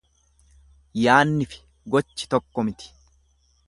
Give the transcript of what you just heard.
Yaannifi gochi tokko miti.